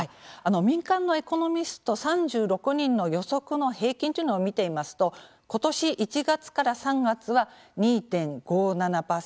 民間のエコノミスト３６人の予測の平均というのを見てみますと今年１月から３月は２．５７％。